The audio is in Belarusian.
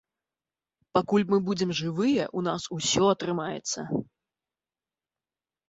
Пакуль мы будзем жывыя, у нас усё атрымаецца.